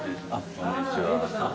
こんにちは。